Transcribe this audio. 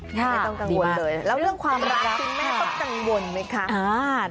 ไม่ต้องกังวลเลยแล้วเรื่องความรักคุณแม่ต้องกังวลไหมคะ